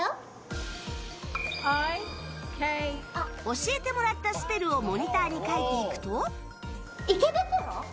教えてもらったスペルをモニターに書いていくと。